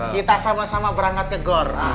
kita sama sama berangkat ke gor